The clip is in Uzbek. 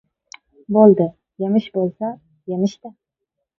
— Bo‘ldi, yemish bo‘lsa, yemish-da!